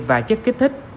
và chất kích thích